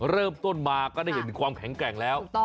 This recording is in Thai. เริ่มต้นมาก็ได้เห็นความแข็งแกร่งแล้ว